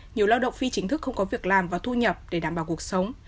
nhiều lao động phi chính thức không có việc làm và thu nhập để đảm bảo cuộc sống